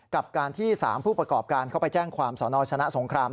กับการที่๓ผู้ประกอบการเข้าไปแจ้งความสนชนะสงคราม